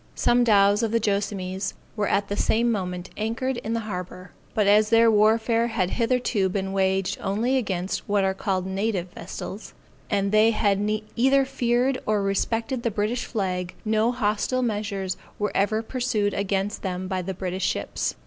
Some dows of the Joassamees were at the same moment anchored in the harbor; but as their warfare had hitherto been waged only against what are called native vessels, and they had either feared or respected the British flag, no hostile measures were ever pursued against them by the British ships.